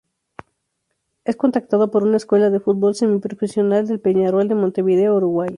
Es contactado por una escuela de fútbol semiprofesional del Peñarol de Montevideo, Uruguay.